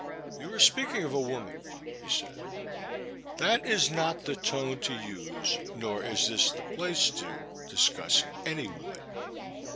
'* You are speaking of a woman," he said, that is not the tone to use nor is this the place to dis cuss any woman."